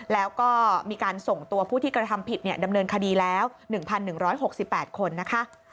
แล้วก็มีการส่งตัวผู้ที่กระทำผิดดำเนินคดีแล้ว๑๑๖๘คนนะคะ